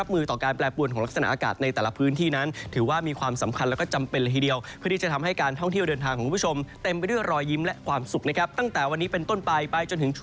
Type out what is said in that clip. เกิดอะไรขึ้นกับชภาพอากาศเมืองไทยของเราบ้าง